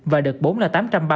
và đợt bốn là tám trăm ba mươi sáu